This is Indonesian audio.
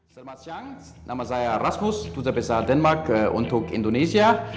selamat siang nama saya rasmus duta besar denmark untuk indonesia